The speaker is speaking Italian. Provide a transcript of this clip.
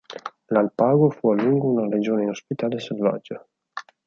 L'Alpago fu a lungo una regione inospitale e selvaggia.